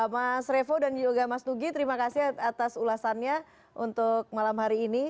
mas revo dan juga mas nugi terima kasih atas ulasannya untuk malam hari ini